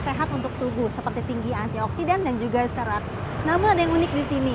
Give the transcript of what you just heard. sehat untuk tubuh seperti tinggi antioksidan dan juga serat namun ada yang unik di sini